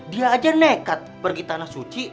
dia aja nekat pergi tanah suci